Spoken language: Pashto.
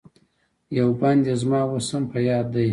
یو بند یې زما اوس هم په یاد دی.